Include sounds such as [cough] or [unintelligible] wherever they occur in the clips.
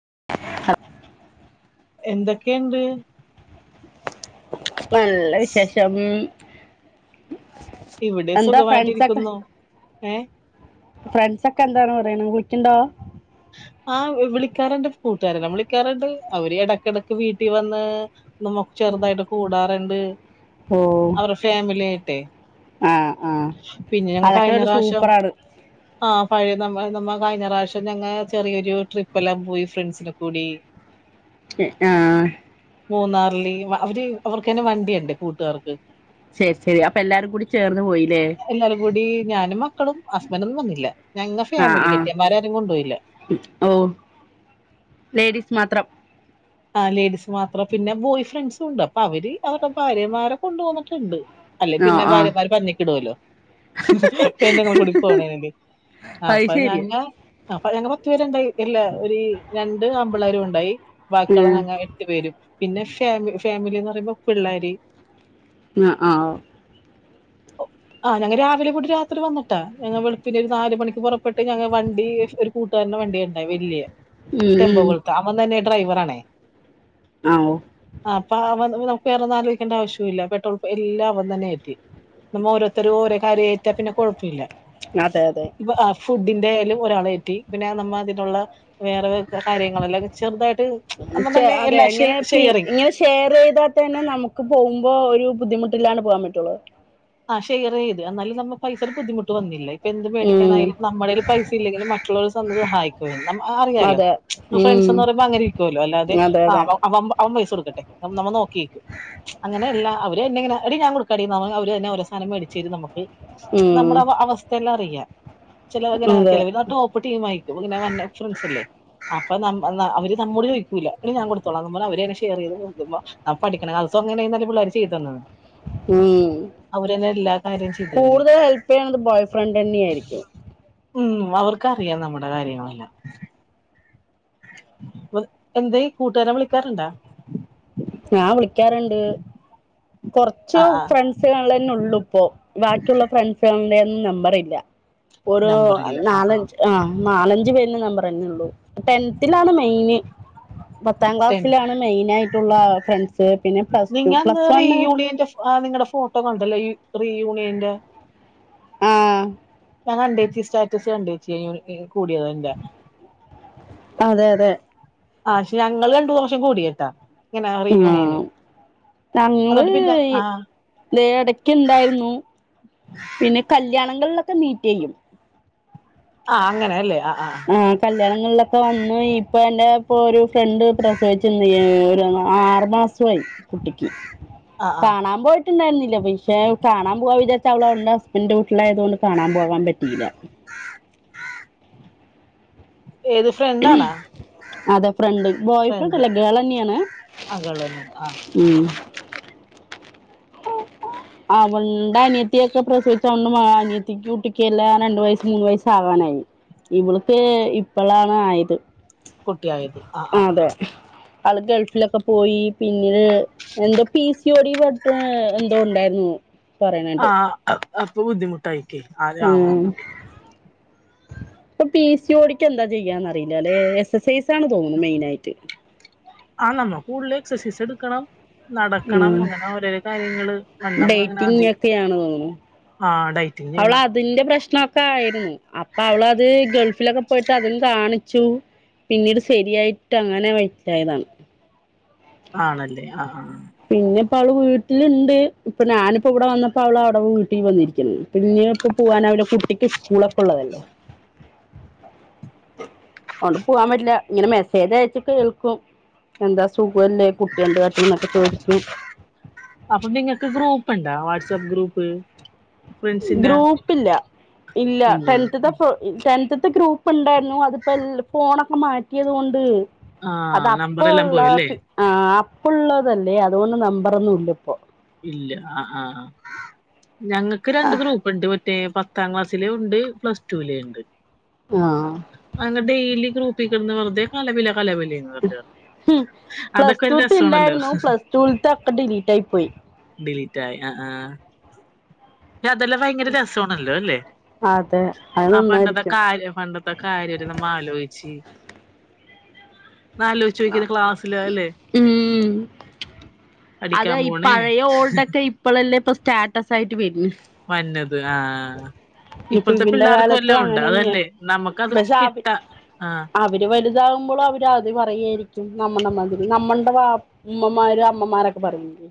[unintelligible] എന്തൊക്കെയണ്ട് നല്ല വിശേഷം ഇവിടെ എന്താ സുഖമായിട്ടിരിക്കുന്നു ഏ ഫ്രണ്ട്സ ഒക്കെ എന്താണ് പറയണം കൂട്ടിണ്ടോ ആ വിളിക്കാറുണ്ട് കൂട്ടുകാരെല്ലാം വിളിക്കാറുണ്ട് അവര് ഇടക്കടക്ക് വീട്ടിൽ വന്ന് ചെറുതായിട്ട് കൂടാറുണ്ട് ഓ അവരുടെ ഫാമിലി ആയിട്ടേ ആ ആ പിന്നെ ഞങ്ങ അതൊക്കെ കഴിഞ്ഞ ഒരു പ്രാവശ്യം സൂപ്പറാണ് ആഹ പഴയ നമ്മ നമ്മ കഴിഞ്ഞ പ്രാവശ്യം ഞങ്ങ ചെറിയൊരു ട്രിപ്പ് എല്ലാം പോയി ഫ്രണ്ട്സിന്റെ കൂടി ആ മൂന്നാറില് അവര് അവർക്കന്നെ വണ്ടിയുണ്ട് കൂട്ടുകാർക്ക് ശരി ശരി അപ്പൊ എല്ലാരും കൂടി ചേർന്ന് പോയില്ലേ എല്ലാരും കൂടി ഞാനും മക്കളും ഹുസ്ബൻഡ് ഒന്നും വന്നില്ല ഞങ്ങ ആ ഫാമിലി ആ കെട്ടിയോൻ മ ഓ ലേഡീസ് മാത്രം ലേഡീസ് മാത്രം പിന്നെ ബോയ് ഫ്രണ്ട്സും ഉണ്ട് അപ്പൊ അവര് അവരുടെ ഭാര്യമാരെ കൊണ്ട് വന്നിട്ടുണ്ട് അല്ലെ ആ പിന്നെ ആ ഭാര്യമാർ പഞ്ഞിക്കിടുല്ലോ ന്നെങ്ങ കൂടി പോണ അത് അപ്പ ശരിയാ ഞങ്ങ അപ്പ ഞ ണ്ടായി ഇല്ല ഒരു രണ്ട് അമ്പളകരും ഉണ്ടായി വാക്കള ഉം. ഞങ്ങ എട്ടു പേരും പിന്നെ ഫാമ ഫാമിലിന്ന് പറയുമ്പോ പിള്ളേർ ആ ആ [unintelligible] ആഹ ഞങ്ങ രാവിലെ കൂടി രാത്രി വന്നട്ടാ ഞങ്ങ വെളുപ്പിന് ഒരു നാല് മണിക്ക് പുറപ്പെട്ട് ഞ വണ്ടി ഒരു കൂട്ടുക വണ്ടിയണ്ട വല്യ ഉം ടെമ്പോ ഉം കൊളത്തെ അവൻ തന്നെ ഡ്രൈവറ ആണേ. ആ ആ അപ്പ അവ നമുക്ക് വേറെന്നും ആലോചിക്കേണ്ട ആവശ്യം ഇല്ല പെട്രോൾ എല്ലാം അവൻ തന്നെ എയറ്റി നമ്മ ഓരോരുത്തരും ഓരോ കാര്യംഏറ്റാ പിന്നെ കുഴപ്പമില്ല അതെ അതെ ഫുഡിന്റെയാലും. ഒരാള്റ്റി പിന്നെ നമ്മ അതിനുള്ള വേറെ കാര്യങ്ങളല്ലാം ചെറുതായിട്ട് നമ്മ തന്നെ അതെ എല്ലാം ഷെ ഇങ്ങനെ പി ഷെയറിങ് ഇങ്ങനെ ഷെയർ ചെയ്താൽത്ത തന്നെ നമുക്ക് പോകും. ഇ ഒരു ബുദ്ധിമുട്ടിലാണ് പോകാൻ പറ്റുള്ളു ആഹ ഷെയർ ചെയ്ത് എന്നാലും നമ്മ പൈസ ഒരു ബുദ്ധിമുട്ട്ന്നില്ല ഇപ്പൊ എന്ത് ഉം മേടിക്കാനായാലും നമ്മുടെേൽ പൈസ ല്ലെങ്ക മക്കളോട് സ് സഹായിക്ക അറിയാലോ അതെ ഫ്രണ്ട്സ് ഉം എന്ന് പറയുമ്പോ അങ്ങനെ ഇരിക്കുവല്ലോ അല്ലാതെ അതെ അതെ [unintelligible] കൊടുക്കട്ടെ നമ്മ നോക്കി അങ്ങനെ അവര് ഒരു ൻ കൊടുക്കാടി സാനം മേടിച്ചട്ട് നമുക്ക് ഉം നമ്മുടെ അവസ്ഥയെല്ലാം അറിയാം. ചിലങ്ങനെ അതെ ച ടോപ്പ് ടീം ആയിക്കും. അങ്ങനെ വസ് അല്ലേ അപ്പൊ ന അവര്മ്മോട് ചോദിക്കൂല്ല പി ഞാൻ കൊടുത്തോളാം നമ്മെ അവരെ തെ ഷെയർ ചെയ്ത് പഠിക്കണ അ അങ്ങനെ നല്ല പിള്ളേർ ചെയ്തു തന്നത് ഉം ചെയ്തേനെ കൂടുതൽ ഹെല്പ് ചെയ്യണത് ബോയ് ഫ്രണ്ട് തന്നെയയിരിക്കും. ഉം അവർക്കറിയാം നമ്മുടെ കാര്യങ്ങളെല്ലാം. എന്ത കൂട്ടുകാരം വിളിക്കാറുണ്ടാ. ഞാൻ വിളിക്കാറുണ്ട്. കുറച്ച് ആ ആ ഫ്രണ്ട്സുകളിൽ തന്നെ ഉള്ളു ഇപ്പോ ബാക്കിയുള്ള ഫ്രണ്ട്സുകളുടെ നമ്പർല്ല ഒരു നമ്പറില്ല ആ നാലഞ്ച് ആ നാലഞ്ച പേരിന്റെ നമ്പർ തന്നെ ഉള്ളൂ. ടെൻത്തിലാണ് മെയിന് പത്താം ടെൻ ക്ലാസ്സിലാണ് മെയിന ആയിട്ടുള്ള ഫ്രണ്ട്സ് പിന്നെ പ്ലസ് ടു നിങ്ങന്ന് പ്ലസ് റീ വണ്ണ് യൂണിയന്റെ നിങ്ങളുടെ ഫോട്ടോ കണ്ടല്ലോ. റീ യൂണിയന്റെ ആം ഞാൻ കണ്ടേച്ച സ്റ്റാറ്റസ് കണ്ടച്ച കൂടിയത എന്റെ അതെ അതെ ആക്ഷെ ഞങ്ങള്ൾ കണ്ടു കൂട കേട്ടാ ഇങ്ങനെ റീ ഉം യൂണിയന് ഞങ്ങള് ഇടക്ക്ണ്ടായിരുന്നു പിന്നെ കല്യാണങ്ങളിലൊക്കെ മീറ്റ് ചെയ്യും. ആ അങ്ങനെ അല്ലേ ആ ആ ആഹ കല്യാണങ്ങളിലൊക്കെ വന്ന ഇപ്പൊ എന്റെ ഇപ്പൊ ഒരു ഫ്രണ്ട് പ്രസവിച്ച [unintelligible] ആറു മാസമായി കുട്ടിക്ക് ആ ആ കാണാൻ പോയിട്ടുണ്ടായിരുന്നില്ലേ പക്ഷെ കാണാൻ പോവാ വിധാച്ച അവളണ്ട് ഹസ്ബൻന്റെ വീട്ടിലയത കൊണ്ട് കാണാൻ പോവാൻ പറ്റിയില്ല. ഏത് ഫ്രണ്ട ആണാ അതെ ഫ്രണ്ട് ബോയ് ഫ്രണ്ട് അല്ലേ ഗേൾ തന്നെയാണ്. അകളനെ ആഹ ഉം അവണ്ട് അനിയത്തിയ ഒക്കെ പ്രസവദിച്ചോണ്ടും അനിയത്തിക്ക് കുട്ടക്ക് എല്ലാം രണ്ടു വയസസ് മൂന്ന് വയസ്സ ആകാനായി ഇവളക്ക് ഇപ്പോഴാണ് ആയത് ത് ആ ആ ആ് ആള് ഗൾഫിലൊക്കെ പോയി പിന്നീട് എന്തോ പി സ ഓടി എന്തോ ഉണ്ടായിരുന്നു. പറയണണ്ട് ആഹ അപ്പൊ ബുദ്ധിമുട്ടായിക്കേ ഉം ആരവാന്ന് ഇപ്പൊ പി സി ഒ ടീ ക്ക് എന്താ ചെയ്യാന്ന്റിയില്ല അല്ലേ എക്സ് എസ്സൈസ്ണ് തോന്നുന്നു മെയിൻ ആയിട്ട് ആ നമ്മ കൂടുതൽ എക്സസൈസ് എടുക്കണം നടക്കണം അങ്ങനെ ഓരോരോ കാര്യങ്ങള് വണ്ണം അങ്ങനെ ഡേറ്റിംങ്ങ് അതി ഒക്കെയ ആാണ് തോന്നുന്നു ആ ഡൈറ്റിങ് അവൾ ചെയ്യണം അതിന്റെ പ്രശ്നൊക്കെ ആയിരുന്നു അപ്പൊ അവള അത് ഗൾഫിലൊക്കെ പോയിട്ട് അതും കാണിച്ചു പിന്നീട് ശരിയായിട്ട് അങ്ങനെ വറ്റായതാണ് ആണല്ലേ ആ പിന്നെ ഇപ്പ അവള് വീട്ടിലുണ്ട് ഇപ്പൊ ഞാനിപ്പോ ഇവിടെ വന്നപ്പോ അവള് അവിടെ വീട്ടിൽ വന്നിരിക്ക പിന്നെ ഇപ്പ പോവൻ അവടെ കുട്ടിക്ക് സ്കൂളൊക്കെ ഉള്ളതല്ലേ അണ്ട് പോവാൻ പറ്റില്ല ഇങ്ങനെ മെസ്സേജ് അയച്ച കേൾക്കും എന്താ സുഖ പോല്ലേ കുട്ടി എന്ത് കാട്ടണം എന്നൊക്കെ ചോദിക്കും അപ്പൊ നിങ്ങക്ക് ഗ്രൂപ്പ് ഇണ്ടാ വാട്സആപ്പ് ഗ്രൂപ്പ് ഫ്രണ്ട്സിന്റെ ഗ്രൂപ്പില്ല ഇല്ല ടെ ഇല്ലല്ലേ ടെ ഇത്തെ ഗ്രൂപ്പ് ഉണ്ടായിരുന്നു അതിപ്പോ ഫോണൊക്കെ മാറ്റിയത് കൊണ്ട് ആ അത് അപ്പ നമ്പറെല്ലാം ഉള്ള പോയല്ലേ ആ ഇപ്പള്ളതല്ലേ അതുകൊണ്ട് നമ്പറൊന്നും ഇല്ല ഇപ്പോ ഇല്ല ആ ആ ഞങ്ങക്ക് രണ്ട് ഗ്രൂപ്പ് ഉണ്ട് മറ്റേ പത്താം ക്ലാസ്സില ഉണ്ട് പ്ലസ് ടുവിലെ ഉണ്ട് ആ അങ്ങനെ ഡെയിലി ഗ്രൂപ്പി കിടന്ന് വെറുതെ കലവില കലവിലന്ന് വെറുതെ പ്ലസ് അതൊക്കെ ഒരു ടുത്ത് രസമാണല്ലോ ഇണ്ടായിരുന്നു പ്ലസ് ൽത്തെ അക്ക ഡിലീറ്റ്യി പോയി ഡിലീറ്റ് ആ ആ അതെല്ലാം ഭയങ്കര രസണല്ലോ അല്ലേ അതെ അത് ആ പണ്ടത്തെ നന്നായിരിക്കും ക പണ്ടത്തെ കാര്യ നമ്മ ആലോചിച്ചു ഒന്ന് ആലോജിച്ചു നോക്കുന്ന ക്ലാസ്സില അല്ലേ ഉം അത പഠിക്കാൻ ഈ പോണേ പഴയ ഓൾഡൊക്കെ ഇപ്പഴല്ലേ ഇപ്പൊ സ്റ്റാറ്റസ് ആയിട്ട് വരുരുന്നു വഞ്ഞത് ആ ഇപ്പൊ ഇപ്പോഴത്തെ ഇവന്റെ പിള്ളേർക്ക് വല്ല കാലത്തും ഉണ്ട് അങ്ങനെ തന്നെയാ അതല്ലേ നമുക്ക്ത് പക്ഷെ അവ കിട്ടാ ആ അവര് വലുതാകുമ്പോഴും അവര് അത് പറയ നമ്മടെമാതിരി നമ്മളടെ വ ഉമ്മമാരും അമ്മമാരൊക്കെ പറയേ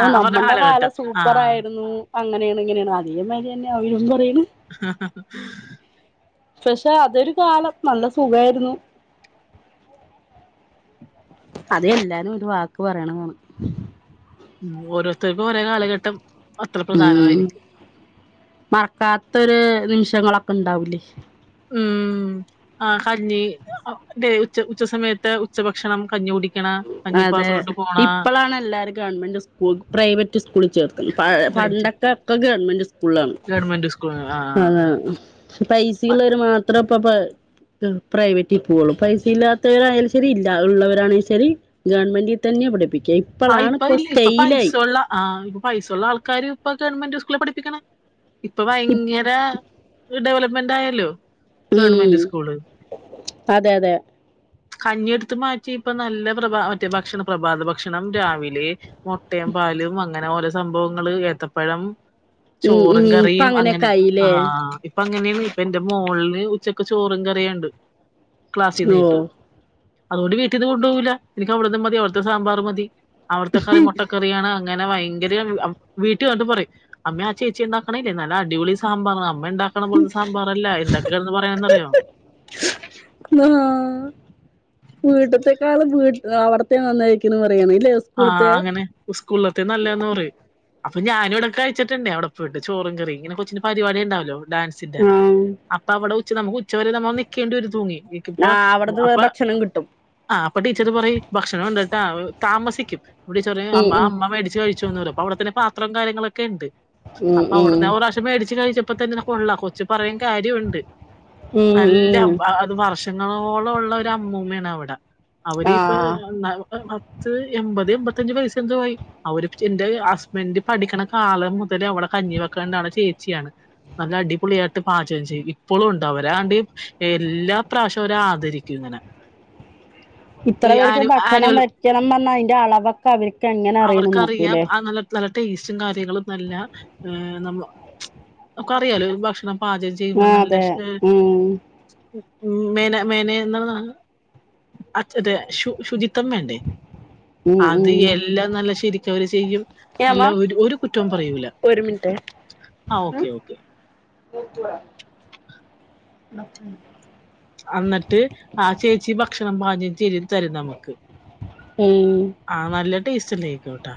ആ അവരുടെ നമ്മടെ കാലം കാലഘട്ടം ആ സൂപ്പർ ആയിരുന്നു അങ്ങനെയാണ് ഇങ്ങനെയാണ് അതേമാതിരി തന്നെ അവരും പറ ആ പക്ഷെ അതൊരു കാലം നല്ല സുഖായിരുന്നു അത എല്ലാരും ഒരു വാക്ക് പറയണാണ് ഉം ഓരോരുത്തർക്കും ഒരേ കാലഘട്ടം അത്ര ഉം പ്രധാനമായിരിക്കും മറക്കാത്തൊരു നിമിഷങ്ങളൊക്കെ ഇണ്ടാവലേ ഉം ഉ ആ കഞ്ഞി ഉച്ചസമയത്ത് ഉച്ചഭക്ഷണം കഞ്ഞി കുട അതെ ഇപ്പോളാണ് എല്ലാരും ഗവൺമെന്റ് സ്കൂ പ്രൈവറ്റ് സ്കൂളിൽ ചേർക്ക പ റൈറ്റ് പണ്ടൊക്കെ ഒക്കെ അ അന്ന് ഗവൺമെന്റ് സ്കൂൾ ആഹ് പക്ഷേ പൈസ ഉളളവർ മാത്രം ഇ പ്രൈവറ്റിൽ പോവുള്ളൂ പൈസ ഇല്ലാത്തവരായാലും ശരി ഇല്ല ഉള്ളവരണ ശരി ഗവൺമെന്റി തന്നെ പഠപ്പിക്കും ആ ഇപ്പ ഇല്ല ഇപ്പൊ പൈസുള്ള ആ ഇപ്പൊ പൈസുള്ള ആൾക്കാർ ഇപ്പൊ ഗവൺമെന്റ് സ്കൂളില് പഠിപ്പിക്കണ ഇപ്പൊ ഭയങ്കര ഡെവലപ്മെന്റ് ആയല്ലോ ഗവൺമെന്റ് ഉം സ്കൂള് അതെ അതെ കഞ്ഞിയെടുത്ത് മാറ്റി ഇപ്പ നല്ല പ്രഭ മറ്റേ ഭക്ഷണ പ്രഭാത ഭക്ഷണം രാവിലെ മുട്ടയും പാലും അങ്ങനെ ഓരോ സംഭവങ്ങള് ഏത്തപ്പഴം ഉം ഉം ചോറും ഇപ്പൊ കറിയും അങ്ങനെ അങ്ങനെയൊക്കെ ആ ആയില്ലേ അപ്പ അങ്ങനെയ ഇപ്പ എന്റെ മോളിന് ഉച്ചക്ക് ചോറും കറിയുണ്ട് ക്ലാസ്സിന്ന് ഓ കിട്ടു അതുകൊണ്ട് വീട്ടിന്ന് കൊണ്ടുപോകില്ല എനിക്ക് അവിടുന്ന് മതി അവിടുത്തെ സാമ്പാർ മതി അവിടുത്തെ കറി മുട്ടക്കറിയാണ് അങ്ങനെ ഭയങ്കര വീട്ടിൽ വന്നിട്ട് പറയും അമ്മ ആ ചേച്ചി എന്താക്കണല്ലേ നല്ല അടിപൊളി സാമ്പാർ മ്മ ഉണ്ടാക്കണ പോലത്തെ സാമ്പാറല്ല എന്തൊക്കെ കിടന്ന് പറയാന്നറിയോ. വീട്ടത്തെേക്കാൾ വീ അവിടത്തെ നന്നായിരിക്കണ പറ ആ അങ്ങനെ സ്കൂളത്തെ നല്ലത് എന്ന് പറയും. അപ്പ ഞാന് ഇവിടെ കഴിച്ചുണ്ട് അവിടെ പോയിട്ട് ചോറും കറിയും ഇങ്ങനെ കൊച്ചന്റെ പരിപാടി ഉണ്ടാവല്ലോ? ഡാൻസിന്റെ ആഹ് അപ്പൊ അവിടെ ഉച്ച നമുക്ക് ഉച്ചവരെ നമ്മൾ നിക്കേണ്ടി വരു തൂങ്ങി. എ ഇപ്പ ആ അവിടുന്ന് അപ്പൊ ഭക്ഷണം കിട്ടും ആ അപ്പൊ ടീച്ചർ പറയൂഭക്ഷണം ഉണ്ട്ട്ടോ താമ ക്കും. അപ്പം ടീച്ചറ് പറയും ഉം ഉം അമ്മ മേടിച്ച് കഴിച്ചോന്ന്. അപ്പോ അവിടെ തന്നെ പത്രവുംകാര്യങ്ങളൊക്കെ ഉണ്ട്. അപ്പൊ അവിടന്ന് ഉം ഒരു പ്രാവശ്യം മേടിച്ച് കഴിച്ചപ്പ തന്നെ കൊള്ളാം. കൊച്ചു പറയും കാര്യം ഉണ്ട്. ഉം ഉം നല്ല ഉം അത് പർഷ വർഷങ്ങളോളം ഉള്ള ഒരു അമ്മൂമ്മയാണ് അവിടെ ആ അവരിപ്പ പത്ത് എൺപത് എൺമ്പത്തഞ്ച് വയസ് എന്തോ ആയി. അവര് എന്റെ ഹസ്ബന്റ് പഠിക്കണ കാലം മുതൽ അവിടെ കഞ്ഞി വെ ക്കണ്ടള ചേച്ചിയാണ്. നല്ല അടിപൊളിയായിട്ട് പാചകം ചെയ്യും. ഇപ്പളും ഉണ്ട് അവര്. എല്ലാ പ്രാവശ്യം അവരെ ആദരിക്കും ഇങ്ങനെ. ഇത്ര ഈ പേർക്ക് ആനു ഭക്ഷണം ആനുവൽ വെക്കണം പറഞ്ഞാ അതിന്റെ അളവൊക്കെ അവർക്ക് എങ്ങനെ അറിയണു എന്ന് അവർക്കറിയാം നോക്കൂലേ? ആ നല്ല നല്ല ടേസ്റ്റും കാര്യങ്ങളും നല്ല നമ്മ അറിയാലോ ഭക്ഷണം പാചകം ചെയ്യുമ്പോ ആ നല്ല അതെ ഉം മെന മെന എന്ത ശു ശുചിത്വം വേണ്ടേ? ഉം അത് ഉം എല്ലാം നല്ല ശരിക്കവര് ചെയ്യും. അല്ല ഏമ്മ ഒരു ഒരു കുറ്റവും പറയൂല. ഒരു മിനിറ്റ് ആ ഓക്കെ ഓക്കെ അന്നിട്ട് ആ ചേച്ചി ഭക്ഷണം പാചകംചെയ്ത് തരും നമ്മുക്ക്. ഏ ടേസ്റ്റ് ഉണ്ടായിക്കുട്ടോ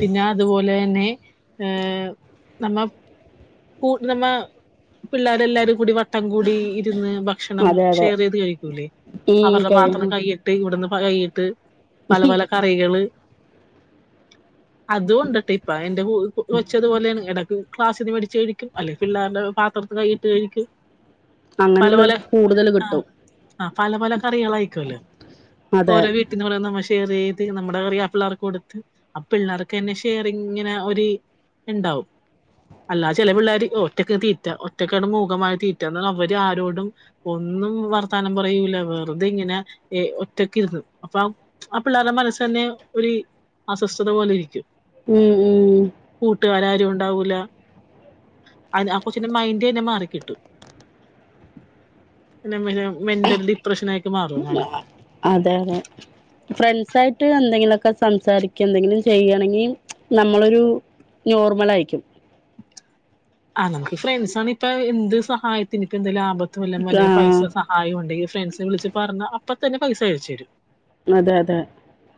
പിന്നെ അതുപോലെ തന്നെ ഏ നമ്മ നമ്മ പിള്ളേരെ എല്ലാരും കൂടി വട്ടം കൂടി ന്ന് ഭക്ഷണം അതെ അതെ ഷെയർ ചെയ്ത് കഴിക്കൂലേ? ഉം അവരുടെ പാത്രം കഴിയണം കൈയിട്ട് ഇവിടുന്ന് കൈയിട്ട് പല പല കറികള് അതും കൊണ്ടിട്ടഇപ്പ എന്റെ കൊച്ചതുപോലെയാണ് ഇടക്ക് ക്ലാസിന് പി കഴിക്കും. അല്ലെ പിള്ളേരുടെ പാത്രത്തിന്ന് കൈയിട്ട് കഴിക്കും. അങ്ങനെയുള്ള പലപല കൂടുതൽ ആ കിട്ടും ആ പല പല കറികൾ ആയിരിക്കുവല്ലേ? അതെ ഓരോ വീട്ടന്ന് കൊണ്ടുവരുന്ന ഭക്ഷ ഷെയർ ചെയ്ത് നമ്മുടെ കറിയാ പിള്ളേർക്ക് കൊടുത്ത് അ പിള്ളേർക്ക് തന്നെ ഷെയറി ഇങ്ങനെ ഒരു ഉ. ണ്ടാവും അല്ലാ ചില പിള്ളേര് ഒറ്റക്ക് തീറ്റ ഒറ്റക്കാണ് മൂകമായ തീറ്റ എന്ന അവര് ആരോടും ഒന്നും. വർത്താനം പറയൂല. വെറുതെ ഇങ്ങനെ ഒറ്റക്ക് ഇരുന്നത് അപ്പൊ ആ പിള്ളേരുടെ മനസ്സ്തന്നെ ഒരു അസ്വസ്ഥത പോലെ ഇരിക്കും. ഉം ഉം കൂട്ടുക്കാർ ആരും ഉണ്ടാവൂല അതി--ആ കൊച്ചിന്റെ മൈൻഡ്തന്നെ മാറിക്കിട്ടു. [unintelligible] അതെ അതെ ഫ്രണ്ട്സായിട്ട് എന്തെങ്കിലൊക്കെ ക്കെ സംസാരിക്ക എന്തെങ്കിലും ചെയ്യണെങ്കിൽ നമ്മളൊരു നോർമൽ ആയിരിക്കും. ആന്ന് നമ്മുക്ക് ഫ്രണ്ട്സ്സാണ് ഇപ്പൊ എന്ത് സഹായത്തിന് ഇപ്പ എന്തേലും ആപത്ത് വല്ല ആഹ് പൈസ സഹായം ഉണ്ടെിൽ ഫ്രണ്ട്സിനെ വിളിച്ച് പറഞ്ഞ അപ്പ തന്നെ പൈസ അയച്ചു തരും. അതെ അതെ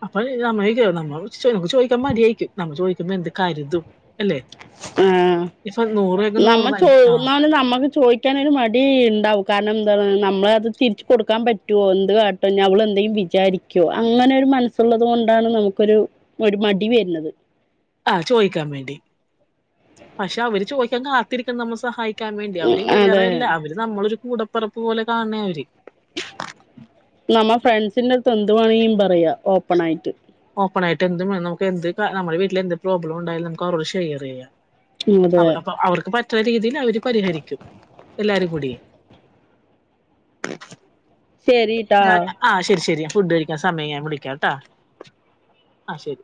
അപ്പ നമ്മ നമ്മക്ക് ചോദിക്കാൻ മടിയായിക്കും നമ്മ ചോദിക്കുമ്പോ എന്ത് കാര്യം ആ രൂപക്ക് നമ്മ നൂറിന് അനക്ക് ആഹ് ചോന്നാലും നമ്മക്ക് ചോദിക്കാൻരു മടി ഉണ്ടാ ാര എന്ത നമ്മളത് തിരിച്ച കൊടുക്കാൻ പറ്റുമോ എന്ത് കാട്ടോ അവൾ എന്തെങ്കിലും വിചാരിക്കോ അങ്ങനെ ഒരു മനസ്സുള്ളത് കൊണ്ടാണ് നമുക്കൊരു ഒരു മടി വരണത്. ആ ചോയിക്കാൻ വേണ്ടി പക്ഷെ അവര് ചോയിക്കാൻ കാത്തിരിക്ക നമ്മള് സഹായിക്ക ക്കാൻ വേണ്ടി. അവര് അതെ വേറെല്ല അവര് നമ്മളൊരു കൂടപ്പെറപ്പ് പോലെ കാണേയ അവര്. നമ്മ ഫ്രണ്ട്സിന്റെ അടുത്ത് എന്ത് വേണെങ്കിപറയാ ഓപ്പൺ ആയിട്ട്. ഓപ്പൺ ആയിട്ട് എന്ത് നമു എന്ത് നമ്മുടെ വീട്ടിലെന്ത് പ്രോബ്ലം ഉണ്ടായാലും നുക്ക് അവരോട് ഷെയർ ചെയ്യാം. അ അതെ അപ്പൊ അവർക്ക് പറ്റുന്ന രീതിയിൽ അവര് പരിഹരിക്കും. എല്ലാരും കൂടി. ശരിട്ടാ ആ ശരി ശരി. ഫുഡ് കഴിക്കാൻ സമയം ഞാ വിളിക്കാംട്ടാ ആ ശരി.